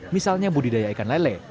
misalnya budidaya ikan lele